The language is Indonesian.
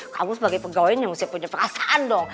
kamu sebagai pegawainya mesti punya perasaan dong